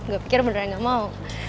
gak pikir beneran gak mau